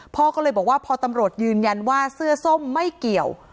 พ่อก็เลยบอกว่าพอตำรวจยืนยันว่าเสื้อส้มไม่เกี่ยว